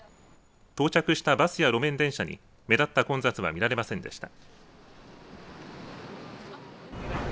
到着したバスや、路面電車に目立った混雑は見られませんでした。